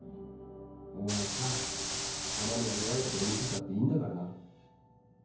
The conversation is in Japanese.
お前さたまには弱いところ見せたっていいんだからな。